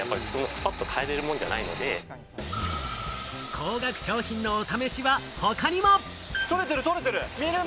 高額商品のお試しは他にも。